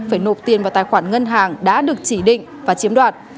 phải nộp tiền vào tài khoản ngân hàng đã được chỉ định và chiếm đoạt